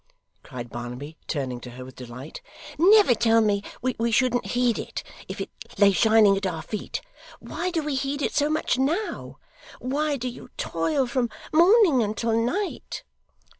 cried Barnaby, turning to her with delight. 'Never tell me we shouldn't heed it, if it lay shining at our feet. Why do we heed it so much now? Why do you toil from morning until night?